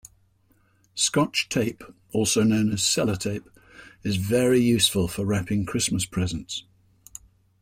Scotch tape, also known as Sellotape, is very useful for wrapping Christmas presents